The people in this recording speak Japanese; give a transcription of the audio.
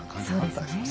そうですね。